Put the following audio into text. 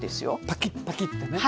パキッパキッてね。